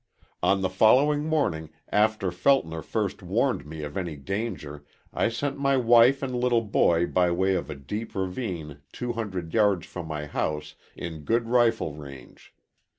"On the following morning after Feltner first warned me of my danger, I sent my wife and little boy by way of a deep ravine two hundred yards from my house in good rifle range.